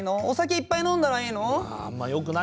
お酒をいっぱい飲んだらいいの？